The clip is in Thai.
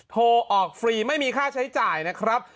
โทรออกฟรีไม่มีค่าใช้จ่ายนะครับ